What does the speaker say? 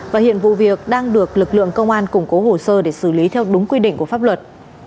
và hiện vụ việc đang được lực lượng công an củng cố hồ sơ để xử lý theo đúng quy định của pháp luật